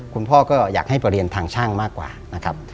คุณพ่อก็อยากให้ไปเรียนทางช่างมากกว่านะครับ